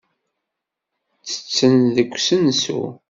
Ttetten deg usensu.